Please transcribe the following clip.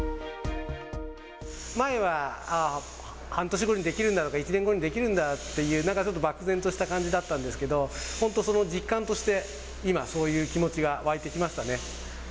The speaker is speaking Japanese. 前は半年後に出来るんだとか、１年後に出来るんだっていうような、なんかちょっと漠然とした感じだったんですけど、本当、その実感として今、そういう気持ちが湧いてきましたね。